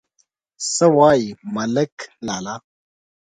_څه وايي، ملک لالا؟